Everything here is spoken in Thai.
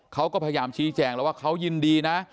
เขาก็พยายามชี้แจงแล้วว่าเขายินดีนะ